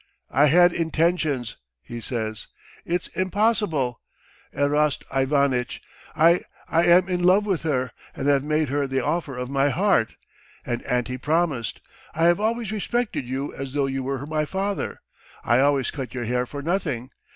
"I had intentions," he says. "It's impossible, Erast Ivanitch. I ... I am in love with her and have made her the offer of my heart .... And auntie promised. I have always respected you as though you were my father. ... I always cut your hair for nothing.